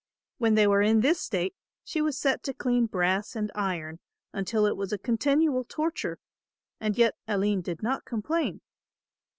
When they were in this state she was set to clean brass and iron, until it was a continual torture, and yet Aline did not complain.